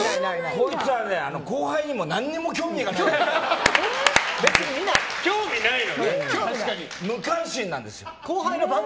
こいつは後輩にも何も興味がないの。